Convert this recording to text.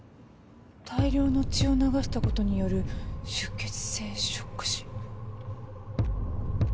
大量の血を流した事による出血性ショック死。